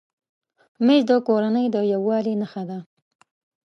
مېز د کورنۍ د یووالي نښه ده.